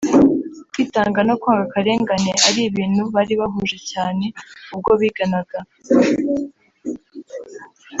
kwitanga no kwanga akarengane ari ibintu bari bahuje cyane ubwo biganaga